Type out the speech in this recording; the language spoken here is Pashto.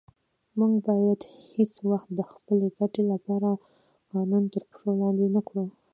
موږ باید هیڅ وخت د خپلې ګټې لپاره قانون تر پښو لاندې نه کړو.